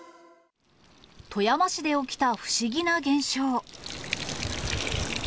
富山市で起きた不思議な現象。